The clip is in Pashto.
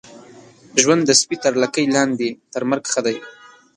ژوند د سپي تر لکۍ لاندي ، تر مرګ ښه دی.